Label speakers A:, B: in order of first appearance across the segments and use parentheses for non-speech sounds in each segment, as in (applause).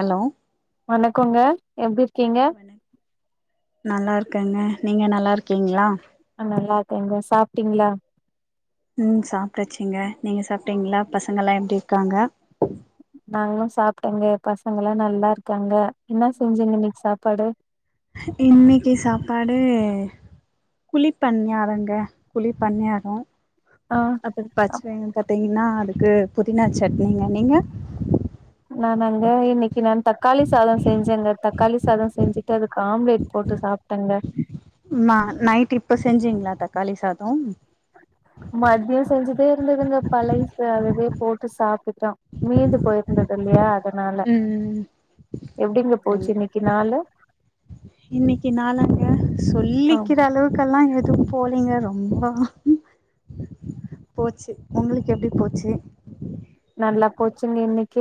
A: allow
B: வணக்கோங்க எப்டி இர்
A: நல்லா இருக்கேங்க நீங்க நல்லா இருக்கீங்ளா
B: ஆ நல்லா இருக்கேங்க சாப்டீங்ளா
A: ம் சாப்டாச்சுங்க நீங்க சாப்டீங்ளா பசங்கல்லா எப்டி இருக்காங்க
B: நாங்களு சாப்டேங்க பசங்கலா நல்லா இருக்காங்க இன்ன செஞ்சீங்க இன்னிக் சாப்பாடு
A: இன்னிக்கி சாப்பாடு குழிப்பண்யாரங்க குழிப்பண்யாரோ
B: ஆ
A: அதுக்
B: அப்
A: பச்வே பாத்தீங்கன்னா அதுக்கு புதினா சட்னிங்க நீங்க
B: நா வந்து இன்னிக்கி நா தக்காளி சாத செஞ்சேங்க தக்காளி சாத செஞ்சி முட்டருக்கு ஆம்லெட் போட்டு சாப்டங்க
A: ம் ஆ நைட் இப்ப செஞ்சிங்ளா தக்காளி சாதோ
B: மதியோ செஞ்சதே இருந்துதுங்க பழைசு அதுவே போட்டு சாப்பிட்டோ மீந்து போயிருந்தது இல்லையா அதனால
A: ம்
B: எப்டிங்க போச்சி இன்னிக்கி நாளு
A: இன்னிக்கி நாளங்க
B: ஆ
A: சொல்லிக்கிற அளவுக் அதுக்கெல்லா எதுக் போறீங்க ரொம்பவு போச்சு உங்களுக்கு எப்டி போச்சு
B: நல்லா போச்சுங்க இன்னைக்கி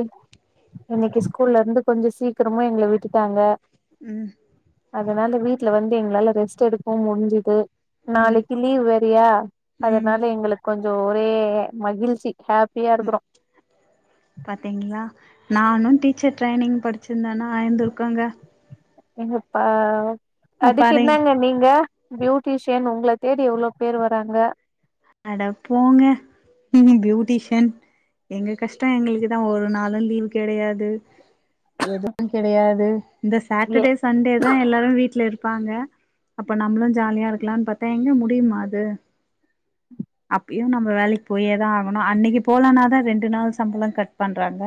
B: இன்னிக்கி ஸ்கூல்ல இருந்து கொஞ்ச சீக்கிரமா எங்கள விட்டுட்டாங்க
A: ம்
B: அதனால வீட்ல வந்து எங்ளால ரெஸ்ட்டு எடுக்கவு முடிஞ்சிது
A: ம்
B: நாளைக்கு லீவ் வேறயா
A: ம்
B: அதனால எங்களுக்கு கொஞ்ச ஒரே மகிழ்ச்சி ஹாப்பியா இருக்கிறோ
A: பாத்தீங்ளா நானு டீச்சர் ட்ரைனிங் படிச்சிருந்தேனா அய்ந்துருக்கோங்க
B: எங்கப்பா அதுக்கு
A: பாருங்
B: என்னாங்க நீங்க பியூட்டிஷியன் உங்ள தேடி எவ்ளோ பேரு வராங்க
A: அட போங்க ம் பியூட்டிஷன் எங்க கஷ்ட எங்ளுக்குதா ஒரு நாளு லீவு கிடையாது எதுவு கிடையாது இந்த
B: ஏ
A: சாட்டர்டே சண்டே தா எல்லாரு வீட்ல இருப்பாங்க அப்ப நம்புளு ஜாலியா இருக்கலான் பாத்தா எங்க முடியுமா அது அப்யு நம்ம வேலைக்கு போயே தா ஆகணு அன்னைக்கு போலனா தா ரெண்டு நாள் சம்பள கட் பண்றாங்க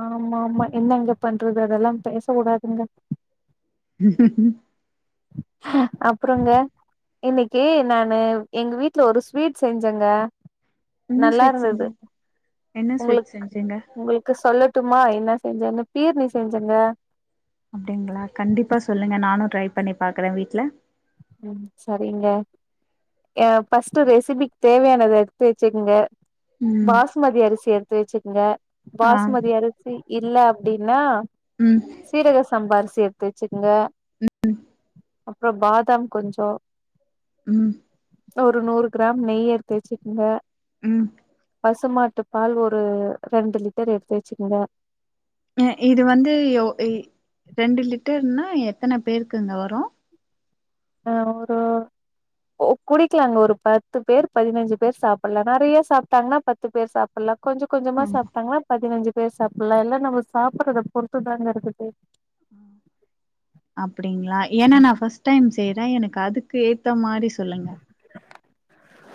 B: ஆமா ஆமா என்னங்க பண்றது அதெல்லா பேச கூடாதுங்க
A: (unintelligible)
B: அப்றோங்க இன்னைக்கு நானு எங்க வீட்டு்ல ஒரு ஸ்வீட் செஞ்சேங்க
A: என்ன
B: நல்லா
A: ஸ்வீட்
B: இருந்தது
A: செஞ்சீங் என்ன
B: உங்களுக்கு
A: ஸ்வீட் செஞ்சீங்க
B: உங்களுக்கு சொல்லட்டுமா என்ன செஞ்சேன்னு பீர்னி செஞ்சேங்க
A: அப்டிங்களா கண்டிப்பா சொல்லுங்க நானு ட்ரை பண்ணி பாக்குறே வீட்ல
B: ம் சேரிங்க ஏ பர்ஸ்ட் ஒரு ரெசிபிக்கு தேவயானத எடுத்து வச்சுக்கோங்க
A: ம்
B: பாஸ்மதி அரிசி எடுத்து வச்சுக்கோங்க
A: ஆ
B: பாஸ்மதி அரிசி இல்ல அப்டின்னா
A: ம்
B: சீரக சம்பா அரிசி எடுத்து வச்சுக்கோங்க
A: ம்
B: அப்பறோ பாதாம் கொஞ்சோ
A: ம்
B: ஒரு நூறு கிரா நெய் எடுத்து வச்சுக்கோங்க
A: ம்
B: பசுமாட்டு பால் ஒரு ரெண்டு லிட்டர் எடுத்து வச்சுக்கோங்க
A: இ இது வந்து ஓ ரெண்டு லிட்டர்னா எத்தனை பேருக்குங்க வரு
B: ஆ ஒரு குடிக்கலாங்க ஒரு பத்து பேர் பதினஞ்சு பேர் சாப்படல நிறைய சாப்ட்டாங்கன்னா பத் பத்து பேர் சாப்பிடலா கொஞ்சம் கொஞ்சமா
A: ஆமா
B: சாப்ட்டாங்கனா பதினஞ்சு பேர் சாப்படலா எல்லா நம்ம சாப்பிடுறத பொறுத்து தாங்க இருக்குது
A: ம் அப்டிங்களா ஏன்னா நா பஸ்டு டைம் செய்யறே எனக்கு அதுக்கு ஏத்த மாரி சொல்லுங்க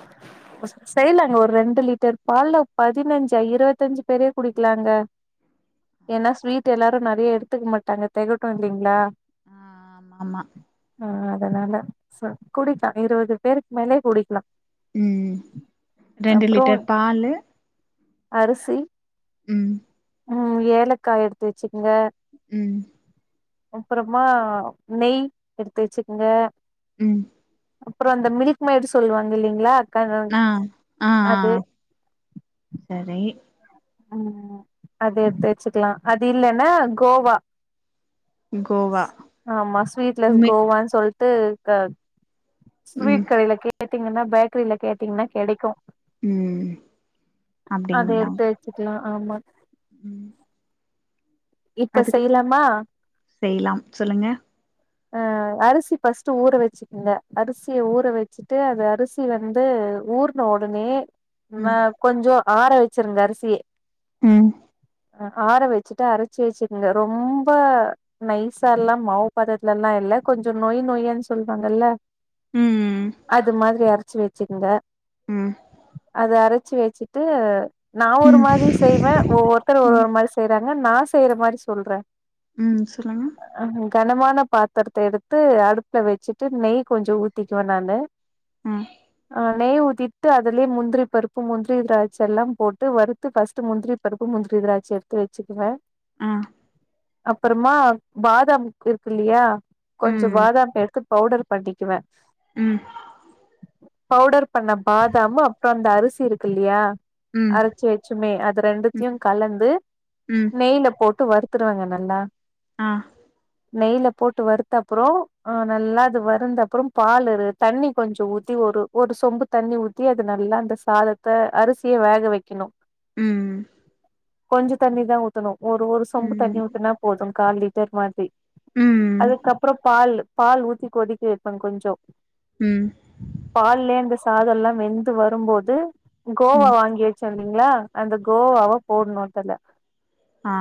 B: (unintelligible) செய்யலாங்க ஒரு ரெண்டு லிட்டர் பால்ல பதினஞ்சா இருபத்தஞ்சு பேரே குடிக்கலாங்க ஏன்னா ஸ்வீட் எல்லாரு நெறைய எடுத்துக்க மாட்டாங்க தேகட்டு இல்லேங்களா
A: ஆஹ் ஆஹ் ஆமா ஆமா
B: ஆஹ் அதனால சேரி குடிப்பே இருபது பேருக்கு மேலே குடி லா
A: ம் ரெண்டு லிட்டர் பாலு
B: அரிசி
A: ம்
B: ம் ஏலக்கா எடுத்து வச்சுக்கோங்க
A: ம்
B: அப்பறமா நெய் எடுத்து வச்சுக்கோங்க
A: ம்
B: அப்பற அந்த மில்க் மேட் சொல்லுவாங்க இல்லேங்களா
A: ஆஹ் ஆஹ்ஹ் சேரி
B: ம் ம் அது எடுத்து வச்சுக்கலா அது இல்லேன்னா கோவா
A: கோவா
B: ஆமா ஸ்வீட்லஸ்
A: மே
B: கோவான்னு சொல்லிட்டு க
A: ம்
B: ஸ்வீட் கடையில கேட்டிங்கன்னா பேக்கரிலக கேட்டீங்கன்னா கேடைக்கு
A: ம்
B: அத
A: அப்டிங்களா
B: எடுத்து வச்சிக்கலா ஆமா
A: ம்
B: இப்ப
A: அதுக்கு
B: செய்லாமா
A: செய்லாம் சொல்லுங்க
B: அ அரிசி ஃபர்ஸ்ட் ஊற வெச்சு இல்ல அரிசிய ஊற வெச்சிட்டு அது அரிசி வந்து ஊர்ன ஒடனே நா
A: ம்
B: கொஞ்சோ ஆற வெச்சிருங்க அரிசியே
A: ம்
B: ஆற வெச்சிட்டு அரைச்சு வெச்சுக்கோங்க ரொம்ப நைசா எல்லா மாவு பதத்துல எல்லா இல்ல கொஞ்சோ நொய் நொய்ன்னு சொல்வாங்கல்ல
A: ம்
B: அது மாதிரி அரச்சு வெச்சிக்கங்க
A: ம்
B: அது அரச்சு வெச்சிட்டு நா ஒரு
A: ம்
B: மாரி செய்வேன் ஒவ்வொருத்தர் ஒரு
A: ம்
B: ஒரு மாரி செய்றாங்க நா செய்யற மாரி சொல்றன்
A: ம் சொல்லுங்க
B: அ கனமான பாத்திரத்த எடுத்து அடுப்ல வெச்சிட்டு நெய் கொஞ்சோ ஊத்திக்குவேன் நானு
A: ம்
B: நா நெய் ஊத்திட்டு அதுலயே முந்திரி பருப்பு முந்திரி திராட்சை எல்லாம் போட்டு வறுத்து ஃபர்ஸ்ட் முந்திரி பருப்பு, முந்திரி, திராட்சை எடுத்து வெச்சிக்குவன்
A: ஆ
B: அப்பறமா பாதாம் இருக்கு இல்லையா கொஞ்சோ
A: ம்
B: பாதாம் எடுத்து பவுடர் பன்னிக்குவன்
A: ம்
B: பவுடர் பண்ண பாதாம் அப்றோ அந்த அரிசி இருக்கில்லியா
A: ம்
B: அரச்சு வெச்சமே அது
A: ம்
B: ரெண்டத்தையு கலந்து
A: ம்
B: நெய்ல போட்டு வருத்தருவங்க நல்லா
A: அ
B: நெய்ல போட்டு வருத்தப்றோ நல்லா அது வருந்தப்பறம் பால் தண்ணி கொஞ்சோ ஊத்தி ஒரு ஒரு சொம்பு தண்ணி ஊத்தி அது நல்லா அந்த சாதத்த அரிசிய வேக வெக்கனு
A: ம்
B: கொஞ்சோ தண்ணிதான் ஊத்தனு ஒரு ஒரு சொம்பு தண்ணி
A: ம்
B: ஊத்துனா போது கால் லிட்டர் மாரி
A: ம்
B: அதுக்கப்பறோ பால் பால் ஊத்தி கொதிக்க வெப்பன் கொஞ்சோ
A: ம்
B: பால்லிந்து சாதோல்லா வெந்து வரும்போது கோவா
A: ம்
B: வாங்கி வெச்சிருந்திங்ளா அந்த கோவாவ போட்னு அதுல
A: ஆ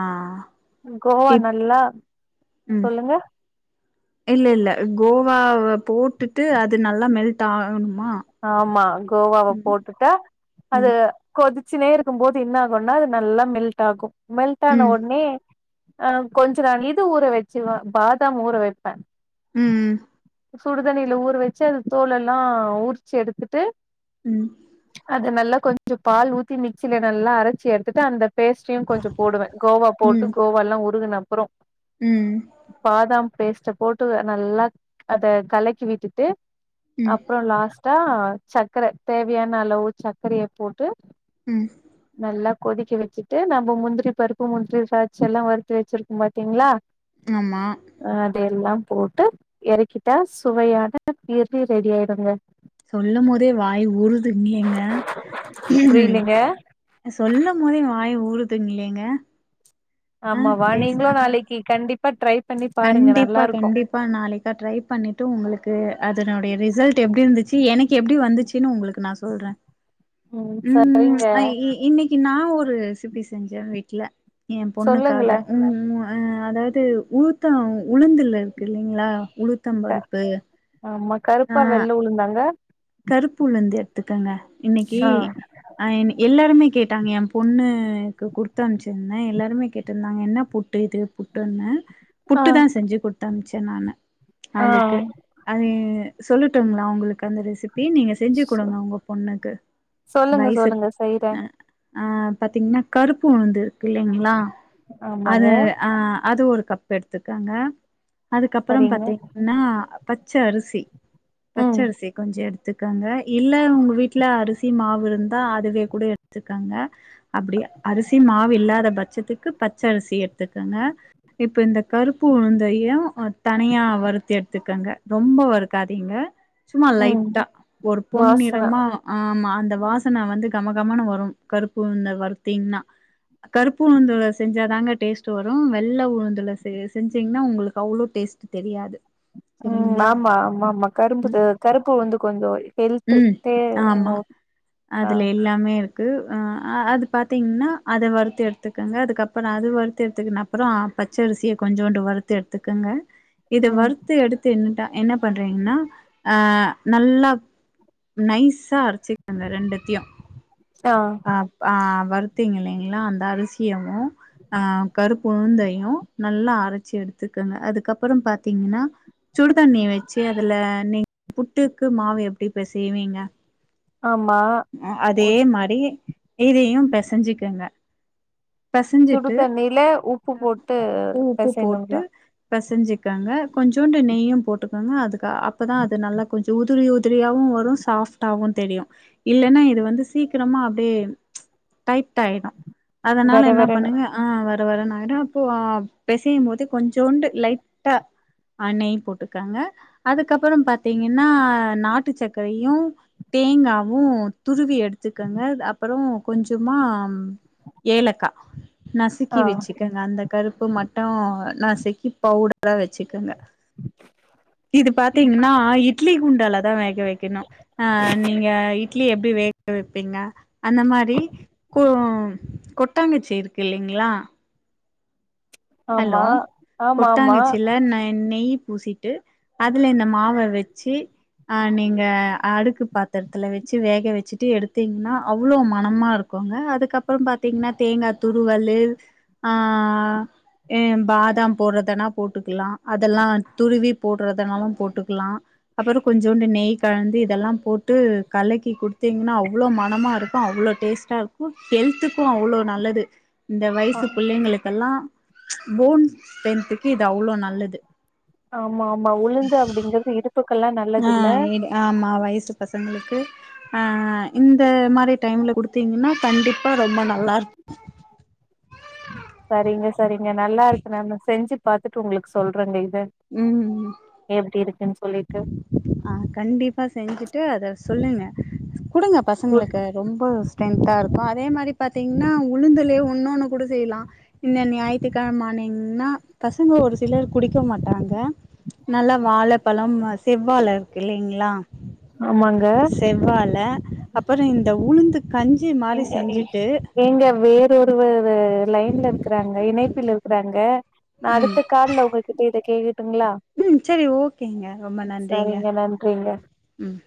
B: கோவா
A: இப்
B: நல்லா சொல்லுங்க
A: இல்லல்ல கோவாவ போட்டுட்டு அது நல்லா மெல்ட் ஆகணு
B: ஆமா கோவாவ போட்டுட்டா அது
A: ம்
B: கொதிச்சுனே இருக்கும்போது என்ன ஆகுனா அது நல்லா மெல்ட் ஆகு மெல்ட் ஆன
A: ம்
B: ஒன்னே ஆ கொஞ்ச நா இது ஊற வெச்சிருவன் பாதாம் ஊற வெப்பன்
A: ம்
B: சுடுதண்ணில ஊற வெச்சு அது தோலல்லா உரிச்சு எடுத்துட்டு
A: ம்
B: அத நல்லா கொஞ்சோ பால் ஊத்தி மிக்ஸில நல்லா அரச்சி எடுத்துட்டு அந்த பேஸ்ட்ரியு கொஞ்சோ போடுவன் கோவா
A: ம்
B: போட்டு கோவல்லா உருகுன அப்றோ
A: ம்
B: பாதாம் பேஸ்ட்ட போட்டு நல்லா அத கலக்கி விட்டுட்டு
A: ம்
B: அப்பற லாஸ்டா சக்கர தேவையான அளவு சக்கரய போட்டு
A: ம்
B: நல்லா கொதிக்க வெச்சுட்டு நம்ப முந்திரி பருப்பு முந்திரி திராட்சல்லா வறுத்து வெச்சிருக்கோம் பாத்தீங்ளா
A: ஆமா
B: அத எல்லாம் போட்டு எறக்கிட்டா சுவையான (unintelligible) ரெடி ஆயிடோங்க
A: சொல்லும் போதே வாய் ஊறுதுங் ஏங்க
B: புரியலங்க
A: சொல்லும் போதே வாய் ஊறுதுங்லேங்க ஆ
B: ஆமாவா
A: டேஸ்ட்
B: நீங்களு
A: ஆ
B: நாளிக்கி கண்டிப்பா ட்ரை பண்ணி பாருங்க நல்லா இருக்கு
A: பா நாளைக்கா ட்ரை பண்ணிட்டு உங்களுக்கு அதனுடைய ரிசல்ட் எப்டி இருந்துச்சி எனக்கு எப்டி வந்துச் சின்னு உங்களுக்கு நான் சொல்றன் ம் இன்னிக்கி நான் ஒரு ரேசிபி செஞ்சே வீட்ல என் பொண்ணுக்காக
B: சொல்லுங்களே
A: உ உ அ அதாவது ஊ த்தம் உளுந்துல இருக்கு இல்லைங்களா உளுத்தம் பருப்பு
B: ஆமா
A: ஆ
B: கருப்பா வெள்ள உளுந்தாங்க
A: கருப்புளுந்து எத்துக்குங்க இன்னிக்கி
B: ஆ
A: எல்லாருமே கேட்டாங்க எ பொண்ணு என்க்கு குட்த்து அமச்சிருந்த எல்லாருமே கேட்ருந்தாங்க என்ன புட்டு இது புட்டுன்னு
B: ஆ
A: புட்டு தான் செஞ்சு குட்தமச்ச நானு
B: ஆ
A: அவளுக்கு அது சொல்லுட்டுங்ளா உங்குளுக்கு அந்த ரெசிபி நீங்க செஞ்சி குடுங்க உங்க பொண்ணுக்கு
B: சொல்லுங்க
A: வய்சுக்
B: சொல்லுங்க செய்றே
A: ஆ அ பாத்தீங்ன்னா கருப்பு உளுந்து இருக்கு இல்லிங்ளா அத
B: ஆமாங்க
A: அஹ அது ஒரு கப் எட்துக்குங்க அதுக்கப்பரோ
B: சரிங்க
A: பாத்தீங் னா பச்ச அரிசி பச்ச
B: ம்
A: அரிசி கொஞ்ச எடு த்துக்குங்க இல்ல உங்க வீட்டுல அரிசி மாவு இருந்தா அதுவே கூட எட்த்துக்குங்க அப்டி அரிசி மாவு இல்லாத பட்ச்சதுக்கு பச்ச அரிசி எட்த்துக்கங்க இப்ப இந்த கருப்பு உளுந்தையு தனியா வறுத்து எட்த்துகங்க ரொம்ப வறுக்காதீங்க சும்மா
B: ம்
A: லைட்டா ஒரு பொன்
B: வாசன
A: நிறமா ஆமா அந்த வாசன வந்து கமகமனு வரும் கருப்பு உளுந்த வறுதீங்னா கருப்பு உளுந்துள செஞ்சாதாங்க டேஸ்ட் வரும் வெள்ள உளுந்துல செ செஞ்சீங்னா உங்களுக்கு அவ்ளோ டேஸ்ட் தெரியாது
B: உம்
A: சரிங்களா
B: ஆமா ஆமாம்மா கரும்புது கருப்பு உள்ந்து கொஞ்சொ
A: உம் ஆமா
B: ஆ
A: அதுல எல்லாமே இருக் கு ஆ அது பாத்தீங்னா அத வறுத்து எடுத்துக்கங்க அதுக்கப்பறம் அது வறுத்து எடுத்துக்க அப்பறோ ஆ பச்சரிசிய கொஞ்சுண்டு வறுத்து எடுத்துக்கங்க இது
B: ம்
A: வறுத்து எடுத்து என்னட்டா என்ன பண்றீங்கன்னா அ நல்லா நைஸா அரச்சிக்கங்க ரெண்டுத்தையு
B: ட
A: அப் ஆ வறுத்தீங்க இல்லிங்ளா அந்த அரிசியவு ஆ கருப்பு உளுந்தையு நல்லா அரச்சி எடுத்துக்கங்க அதுக்கப்பறம் பாத்தீங்கன்னா சுடு தண்ணி வெச்சு அதுல நீ புட்டுக்கு மாவு எப் டி இப்ப செய்வீங்க
B: ஆமா ஒ
A: அதே மாரி இதையு பெசஞ்சுக்கங்க
B: சுடு
A: பெசஞ்சிட்டு
B: தண்ணில உப்பு போட்டு
A: பூ உப்பு போட்டு
B: பெசையணுங்களா
A: பெசஞ்சிக்காங்க கொஞ்சோண்டு நெய்யும் போட்டுக்கோங்க அதுக்கு அப்பதான் அது நல்லா கொஞ்சம் உதிரி உ உத்திரியாவும் வரும் சாஃப்டாகவும் தெரியும் இல்லன்னா இது வந்து சீக்கிரமா அப்டியே டைட் ஆய்டும்
B: வெர
A: அதனால என்ன
B: வெரன்னு
A: பண்ணுங்க ஆ வர வரன் ஆய்ரும் அப்போ ஆ பெசையும்போது கொஞ்சோண்டு லைட்டா ஆ நெய் போட்டுக்கங்க அதுக்கப்புறோ பாத்தீங்கன்னா நாட் ட்டு சக்கரையு தேங்காவு துருவி எடுத்துக்கங்க அப் ப்றோ கொஞ்சமா ஏலக்கா நசிக்கி
B: ஆ
A: வெச்சுக் கங்க அந்த கருப்பு மட்டு நாசிக்கி பவுடரா வெச்சுக்கங்க இது பாத்தீங்கன்னா இட்லி குண்டாலதா வேக வெக்கணு ஆ நீங்க இட்லி எப்டி வேக வெப் ப்பிங்க அந்த மாரி கோ கொட்டாங்குச்சி இருக்கு இல்லிங்ளா ஹலோ
B: ஆமா ஆமா ஆமா
A: கொட்டாங்குச்சில நெ நெய் பூசி டு அதுல இந்த மாவ வெச்சி ஆ நீங்க அடுக்கு பாத்தரத்தல வெச்சு வேக வெச்சுட்டு எடுத்திங்ன்னா அவ்வளோ மனமா இருக் குங்க அதுக்கப்புறோ பாத்தீங்கன்னா தேங்கா துருவலு ஆ எ பாதாம் போட்றதுன்னா போட்டுக்குலா அதெல்லா துருவி போட்றதுனாலு போட்டுக்குலா அப்புறோ கொஞ்சோண்டு நெய் கலந்து இதெல்லா போட்டு கலக்கி குடுத்தீங்கன்னா அவ்வளோ மனமா இருக்கு அவ்வளோ டேஸ்ட் டாருக்கு ஹெல்த்துக்கு அவ்ளோ நல்லது இந்த
B: ஆ
A: வய்சு பிள்ளைங்களுக்கல்லா போன் ஸ்டென்த்துக்கு இது அவ்ளோ நல்லது
B: ஆமா ஆமா உளுந்து அப்டிங்கிறது இருப்புக்கெல்லா நல்
A: ஆ இடு ஆமா வய்சு பசங்களுக்கு ஆ ஆ இந்த மாரி டைம்ல குடுத்தீங்கன்னா கண்டிப்பா ரொம்ப நல்லாருக்கு
B: சரிங்க சரிங்க நல்லாருக்கு நானு செஞ்சு பாத்துட்டு உங்குளுக்கு சொல்றேங்க இது
A: ம்
B: எப்டி இருக்குன் சொல்லிட்டு
A: ஆ கண்டிப்பா செஞ்சுட்டு அத சொல்லுங்க குடுங்க
B: உ
A: பசங்ளுக்கு ரொம்ப ஸ்ட்ரெந்தா இருக்கு அதே மாரி பாத்தீங்கன்னா உளுந்துலயே ஒன்னொனு கூட செய்லா இந்த ஞாயித்து கழமானிங்ன்னா பசங்க ஒரு சிலர் குடிக்க மாட்டாங்க நல்லா வாழ பழம் செவ்வாழ இருக்கு இல்லிங்ளா
B: ஆமாங்க
A: பால அப்பறோ இந்த உளுந்து கஞ்சிமா
B: எங்க எங்க வே று ஒருவரு லைன்ல இருக்குறாங்க இணைப்பில் இருக்குறாங்க நா அடுத்த கால்ல உங்ககிட்ட இத கேக்கட்டுங்ளா
A: ம் செரி ஓகேங்க ரொம்ப நன்றிங்க
B: சரிங்க நன்றிங்க
A: ம்